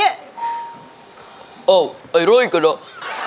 อ้าวไอ้เรื่องกันนะ